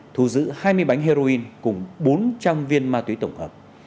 thu giữ hai mươi bánh heroin cùng bốn trăm linh viên ma túy tổng hợp